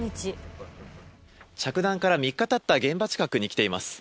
着弾から３日たった現場近くに来ています。